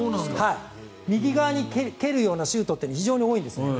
右側に蹴るようなシュートって非常に多いんです。